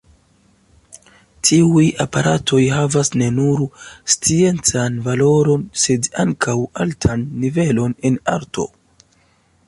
Tiuj aparatoj havas ne nur sciencan valoron, sed ankaŭ altan nivelon en arto.